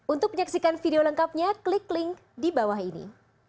untuk menyaksikan video lengkapnya klik link di bawah ini